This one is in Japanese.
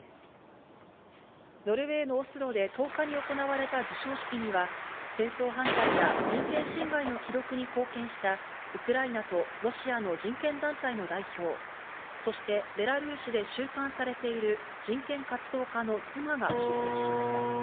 ノルウェーのオスロで１０日に行われた授賞式には、戦争犯罪や人権侵害の記録に貢献したウクライナとロシアの人権団体の代表、そしてベラルーシで収監されている人権活動家の妻が出席しました。